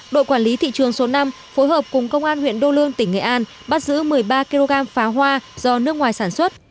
đội quản lý thị trường số năm phối hợp cùng công an huyện đô lương tỉnh nghệ an bắt giữ một mươi ba kg pháo hoa do nước ngoài sản xuất